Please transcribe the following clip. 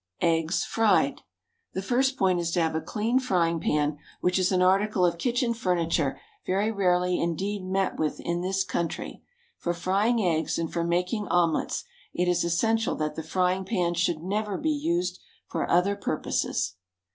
EGGS, FRIED. The first point is to have a clean frying pan, which is an article of kitchen furniture very rarely indeed met with in this country. For frying eggs, and for making omelets, it is essential that the frying pan should never be used for other purposes.